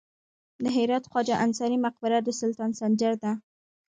د هرات خواجه انصاري مقبره د سلطان سنجر ده